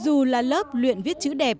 dù là lớp luyện viết chữ đẹp